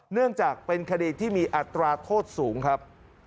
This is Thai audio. เนื่องจากเป็นคดีที่มีอัตราโทษสูงครับ